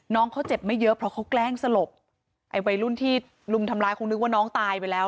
น้องเขาเจ็บไม่เยอะเพราะเขาแกล้งสลบไอ้วัยรุ่นที่ลุมทำร้ายคงนึกว่าน้องตายไปแล้ว